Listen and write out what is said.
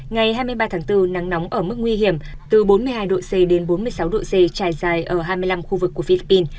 ngày hai mươi ba tháng bốn nắng nóng ở mức nguy hiểm từ bốn mươi hai độ c đến bốn mươi sáu độ c trải dài ở hai mươi năm khu vực của philippines